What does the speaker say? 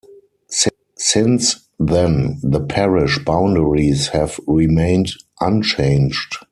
Since then the parish boundaries have remained unchanged.